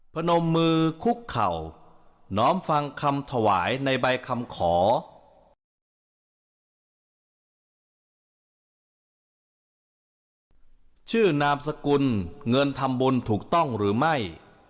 ชื่อนามสกุลเงินทำบุญถูกต้องหรือไม่